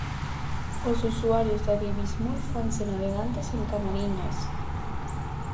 Os usuarios de Adibismur fanse navegantes en Camariñas.